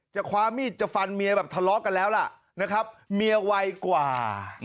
คว้ามีดจะฟันเมียแบบทะเลาะกันแล้วล่ะนะครับเมียไวกว่า